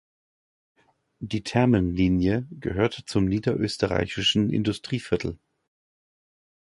Die Thermenlinie gehört zum niederösterreichischen Industrieviertel.